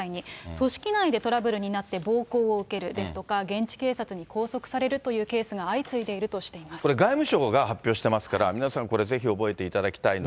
組織内でトラブルになって暴行を受けるですとか、現地警察に拘束されるというケースが相次いでいこれ、外務省が発表してますから、皆さん、これぜひ覚えていただきたいのと。